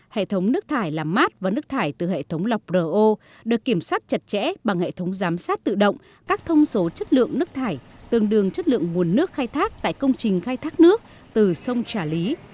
hệ thống nước thải làm mát và nước thải từ hệ thống lọc ro được kiểm soát chặt chẽ bằng hệ thống giám sát tự động các thông số chất lượng nước thải tương đương chất lượng nguồn nước khai thác tại công trình khai thác nước từ sông trà lý